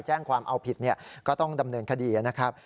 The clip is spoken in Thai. แล้วเรียนคดีนะครับ